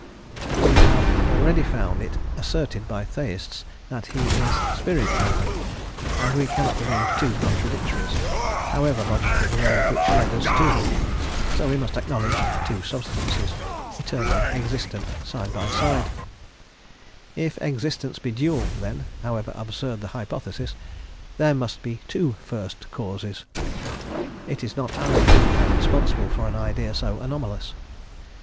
But we have already found it asserted by Theists that he is spirit only, and we cannot believe two contradictories, however logical the road which led us to them; so we must acknowledge two substances, eternally existent side by side; if existence be dual, then, however absurd the hypothesis, there must be two First Causes. It is not I who am responsible for an idea so anomalous.